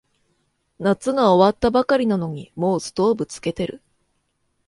夏が終わったばかりなのにもうストーブつけてる